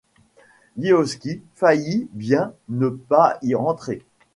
Lihotzky faillit bien ne pas y rentrer.